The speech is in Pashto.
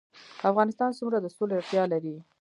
افغانستان څومره د سولې اړتیا لري؟